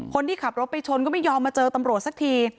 คนที่ขับรถไปชนก็ไม่ยอมมาเจอตำรวจสักที